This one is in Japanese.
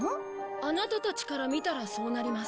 アナタたちから見たらそうなります。